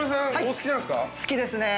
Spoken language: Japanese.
好きですね。